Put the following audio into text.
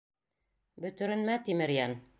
Бөтөрөнмә, Тимерйән.